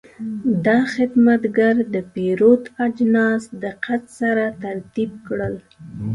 دا خدمتګر د پیرود اجناس دقت سره ترتیب کړل.